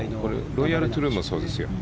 ロイヤル・トゥルーンもそうですよ。